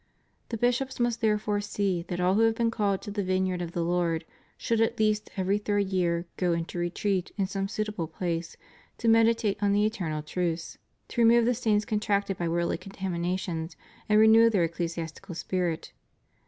The bishops must therefore see that all who have been called to the vine yard of the Lord should at least every third year go into retreat in some suitable place to meditate on the eternal truths, to remove the stains contracted by worldly con tamination and renew their ecclesiastical spirit.